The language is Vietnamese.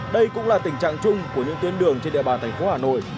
đây cũng là tình trạng chung của những tuyến đường trên địa bàn thành phố hà nội